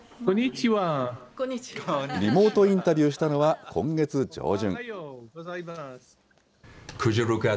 リモートインタビューしたのは今月上旬。